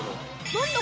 何だ？